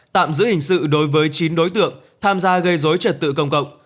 tạm giữ hình sự đối với chín đối tượng tham gia gây dối trật tự công cộng